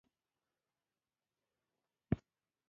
انسان واقعیتونه له قدرت سره پیوند ساتي